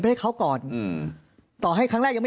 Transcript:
เพราะอาชญากรเขาต้องปล่อยเงิน